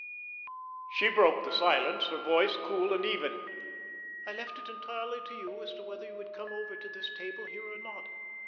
She broke the silence, her voice cool and even: "I left it entirely to you as to whether you would come over to this table here or not."